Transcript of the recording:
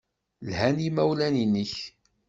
Lhan yimawlan-nnek.